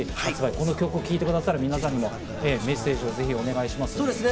この曲を聴いてくださる皆さんにもメッセージをお願いします。